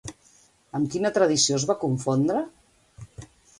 Amb quina tradició es va confondre?